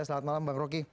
selamat malam bang roky